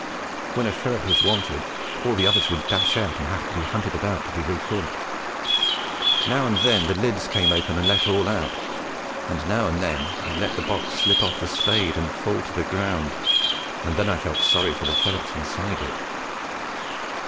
When a ferret was wanted, all the others would dash out and have to be hunted about to be re caught. Now and then the lids came open and let all out; and now and then I let the box slip off the spade and fall to the ground, and then I felt sorry for the ferrets inside it!